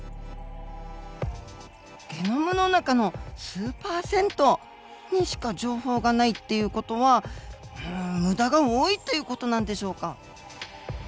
ゲノムの中の数％にしか情報がないっていう事は無駄が多いっていう事なんでしょうか。